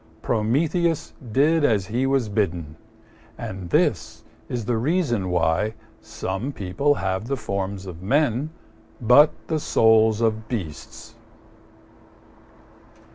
Prometheus did as he was bidden, and this is the reason why some people have the forms of men but the souls of beasts.